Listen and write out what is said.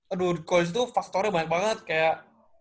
aduh coach itu faktornya banyak banget kayak